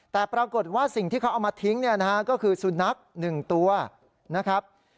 แต่ปรากฏว่าสิ่งที่เขาเอามาทิ้งก็คือสุนัขหนึ่งตัวนะครับ